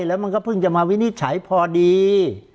แล้วมันก็เพิ่งจะมาวินิจฉัยพอดี